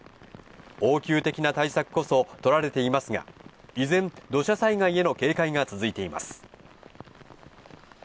応急的な対策こそとられていますが依然、土砂災害への警戒が続いています。